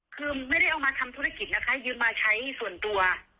คือไม่ได้เอามาทำธุรกิจนะคะยืมมาใช้ส่วนตัว